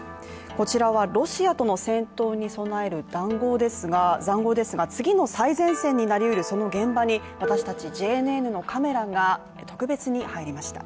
こちらはロシアとの戦闘に備える塹壕ですが次の最前線になりうるその現場に私達ＪＮＮのカメラが特別に入りました。